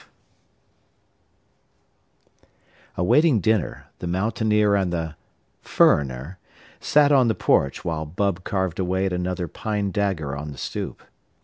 V Awaiting dinner, the mountaineer and the "furriner" sat on the porch while Bub carved away at another pine dagger on the stoop.